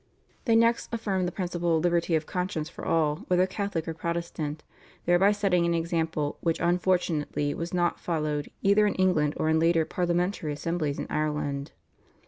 They next affirmed the principle of liberty of conscience for all, whether Catholic or Protestant, thereby setting an example which unfortunately was not followed either in England or in later parliamentary assemblies in Ireland.